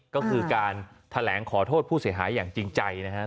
ก็คือการแถลงขอโทษผู้เสียหายอย่างจริงใจนะฮะ